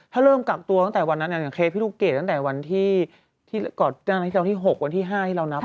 ถ้าเริ่มกลับตัวตั้งแต่วันนั้นอย่างเคฟที่ลูกเกตตั้งแต่วันที่๖วันที่๕ที่เรานับ